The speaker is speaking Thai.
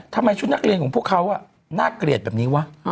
ทำไมชุดนักเรียนของพวกเขาน่าเกลียดแบบนี้วะ